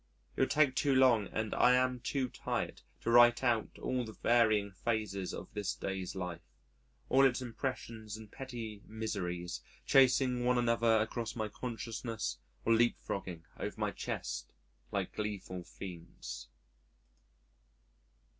It would take too long and I am too tired to write out all the varying phases of this day's life all its impressions and petty miseries chasing one another across my consciousness or leap frogging over my chest like gleeful fiends.